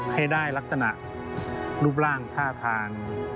ให้ได้ลักษณะรูปร่างท่าทาง